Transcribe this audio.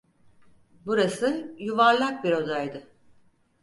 Burası yuvarlak bir odaydı.